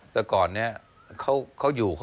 แต่ก่อนนี้เขาอยู่